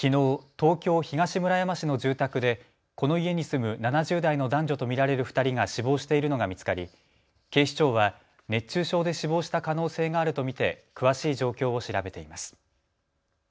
東京東村山市の住宅でこの家に住む７０代の男女と見られる２人が死亡しているのが見つかり警視庁は熱中症で死亡した可能性があると見て詳しい状況を調べています。